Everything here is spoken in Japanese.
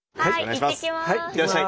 いってらっしゃい。